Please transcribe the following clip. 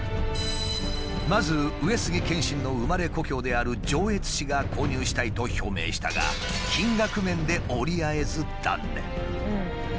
まず上杉謙信の生まれ故郷である上越市が購入したいと表明したが金額面で折り合えず断念。